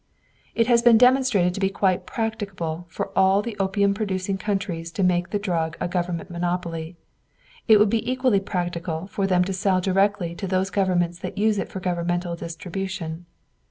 It has been demonstrated to be quite practicable for all the opium producing countries to make the drug a government monopoly; it would be equally practicable for them to sell directly to those governments that use it for governmental distribution.